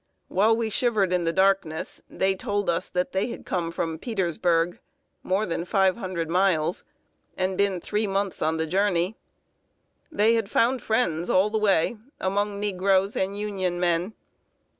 While we shivered in the darkness, they told us that they had come from Petersburg more than five hundred miles and been three months on the journey. They had found friends all the way, among negroes and Union men.